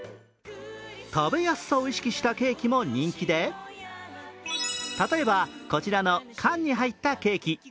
食べやすさを意識したケーキも人気で例えばこちらの缶に入ったケーキ。